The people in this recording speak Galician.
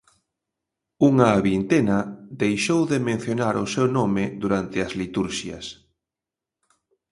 Unha vintena deixou de mencionar o seu nome durante as liturxias.